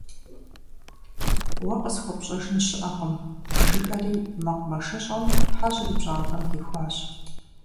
Уэ къысхуэпщӀэжын щыӀэкъым, - жиӀэри МэкъумэшыщӀэм Хьэжьыр ипщӀантӀэм дихуащ.